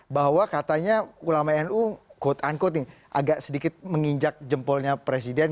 bahwa katanya ulama nu quote unquote nih agak sedikit menginjak jempolnya presiden